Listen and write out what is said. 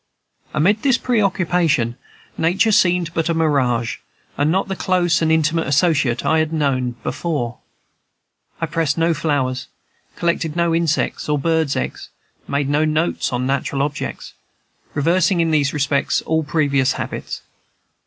Amid this preoccupation, Nature seemed but a mirage, and not the close and intimate associate I had before known. I pressed no flowers, collected no insects or birds' eggs, made no notes on natural objects, reversing in these respects all previous habits.